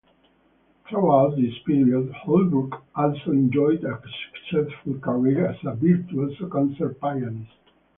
Throughout this period, Holbrooke also enjoyed a successful career as a virtuoso concert pianist.